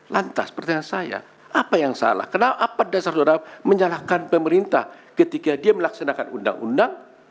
lantas pertanyaan saya apa yang salah kenapa dasar saudara menyalahkan pemerintah ketika dia melaksanakan undang undang